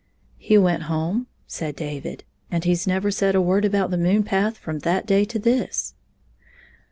"He went home," said David, "and he 's never said a word about the moon path from that day to this."